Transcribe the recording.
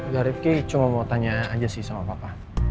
gak rifki cuma mau tanya aja sih sama papa